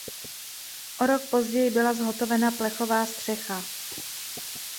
O rok později byla zhotovena plechová střecha.